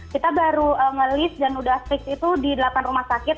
kita baru nge list dan udah fix itu di delapan rumah sakit